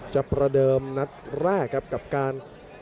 ประเดิมนัดแรกครับกับการ